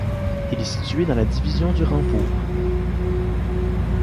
Il est situé dans la division de Rangpur.